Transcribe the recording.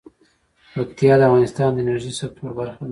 پکتیا د افغانستان د انرژۍ سکتور برخه ده.